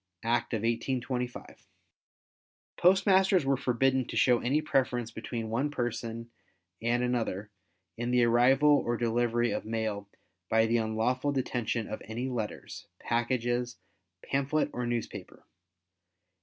(Act of 1825). Postmasters were forbidden to show any preference between one person and another in the arrival or delivery of mail by the unlawful detention of any letters, packages, pamphlet or newspaper.